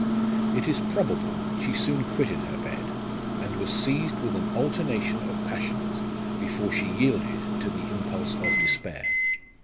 It is probable she soon quitted her bed, and was seized with an alternation of passions, before she yielded to the impulse of despair.